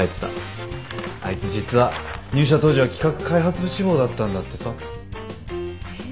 あいつ実は入社当時は企画開発部志望だったんだってさ。へ。